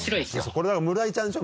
これ村井ちゃんでしょ？